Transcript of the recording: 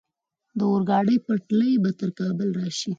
د اورګاډي پټلۍ به تر کابل راشي؟